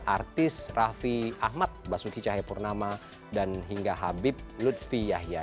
artis raffi ahmad basuki cahayapurnama dan hingga habib lutfi yahya